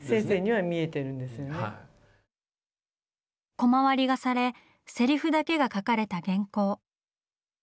コマ割りがされセリフだけが描かれた原稿。